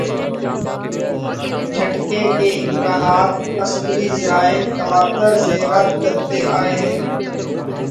جھٹکے کے امکانات عسکری ذرائع تواتر سے رد کرتے آئے ہیں۔